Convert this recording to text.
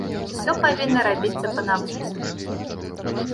Усё павінна рабіцца па навуцы.